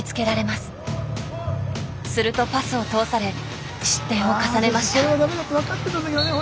するとパスを通され失点を重ねました。